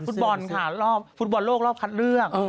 ฟุตบอลค่ะรอบฟุตบอลโลกรอบคัดเลือก